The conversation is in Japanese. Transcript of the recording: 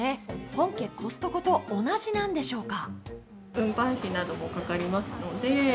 本家・コストコと同じなんでしょうか。